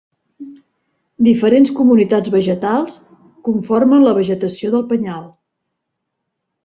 Diferents comunitats vegetals conformen la vegetació del penyal.